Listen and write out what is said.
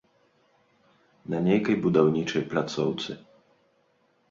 На нейкай будаўнічай пляцоўцы.